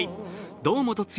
堂本剛